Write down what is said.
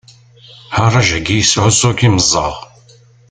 Lharaǧ-agi yesɛuẓẓug imeẓaɣ.